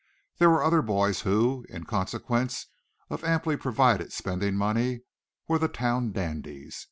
There were other boys who, in consequence of amply provided spending money, were the town dandies.